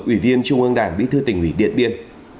ủy viên trung ương đảng bí thư tỉnh ủy điện biên